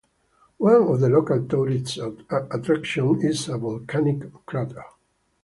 One of the local tourist attractions is a volcanic crater.